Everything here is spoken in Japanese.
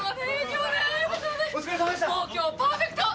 もう今日パーフェクト！